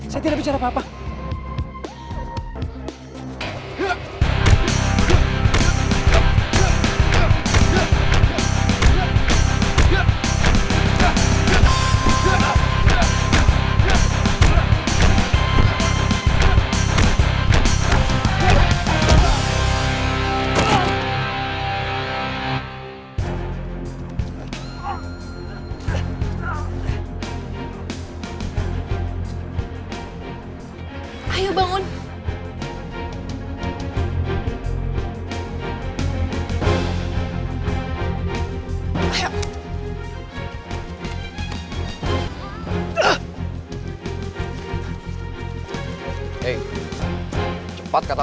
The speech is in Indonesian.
saya tidak bicara apa apa